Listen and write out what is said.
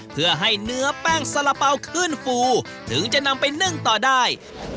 เพื่อให้เนื้อแป้งสละเป๋าขึ้นฟูถึงจะนำไปนึ่งต่อได้